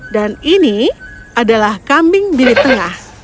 dan ini adalah kambing bili tengah